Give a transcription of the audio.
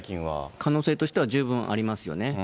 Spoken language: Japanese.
可能性としては十分ありますよね。